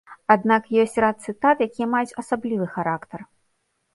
Аднак ёсць рад цытат, якія маюць асаблівы характар.